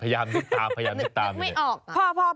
พยายามนึกตาม